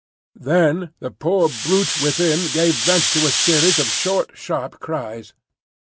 Then the poor brute within gave vent to a series of short, sharp cries.